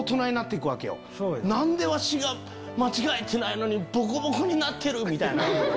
何でわしが間違えてないのにボコボコになってる！みたいな。